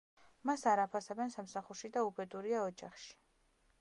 მას არ აფასებენ სამსახურში და უბედურია ოჯახში.